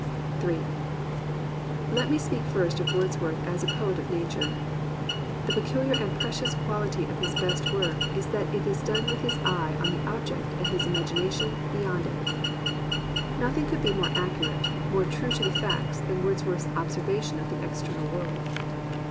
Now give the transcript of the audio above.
m Let me speak first of Wordsworth as a poet of Nature. The pecuHar and precious quality of his best work is that it is done with his eye on the ob ject and his imagination beyond it. Nothing could be more accurate, more true to the facts than Wordsworth's observation of the external world.